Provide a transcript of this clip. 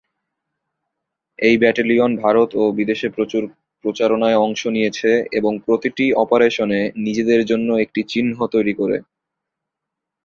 এই ব্যাটালিয়ন ভারত ও বিদেশে প্রচুর প্রচারণায় অংশ নিয়েছে এবং প্রতিটি অপারেশনে নিজের জন্য একটি চিহ্ন তৈরি করে।